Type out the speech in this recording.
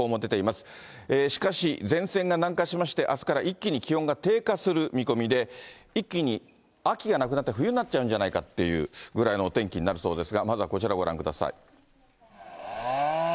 しかし、前線が南下しまして、あすから一気に気温が低下する見込みで、一気に秋がなくなって、冬になっちゃうんじゃないかっていうぐらいのお天気になるそうですが、まずはこちらご覧ください。